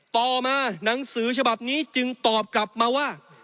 ต่อมาหนังสือฉบับนี้จึงตอบกลับมาว่า